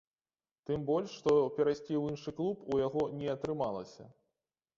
Тым больш, што перайсці ў іншы клуб у яго не атрымалася.